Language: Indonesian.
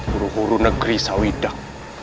huru huru negeri sawidak